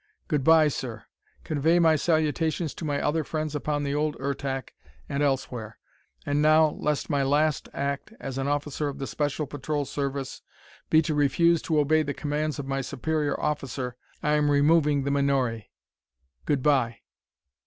Good by, sir; convey my salutations to my other friends upon the old Ertak, and elsewhere. And now, lest my last act as an officer of the Special Patrol Service be to refuse to obey the commands of my superior officer, I am removing the menore. Good by!"